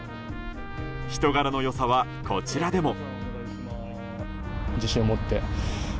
人柄の良さは、こちらでも。